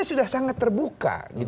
ini sudah sangat terbuka